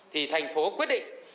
thì thành phố quyết định